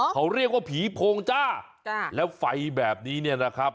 เขาเรียกว่าผีโพงจ้าจ้าแล้วไฟแบบนี้เนี่ยนะครับ